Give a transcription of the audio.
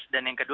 dan yang kedua